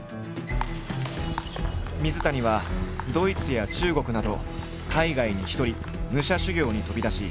水谷はドイツや中国など海外に一人武者修行に飛び出し